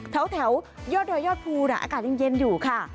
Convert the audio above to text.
แถวยอดพูลอากาศยังเย็นอยู่ค่ะ